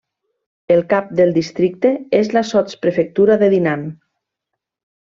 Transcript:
El cap del districte és la sotsprefectura de Dinan.